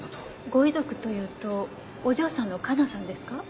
ご遺族というとお嬢さんの加奈さんですか？